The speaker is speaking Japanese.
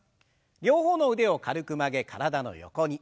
両方の腕を軽く曲げ体の横に。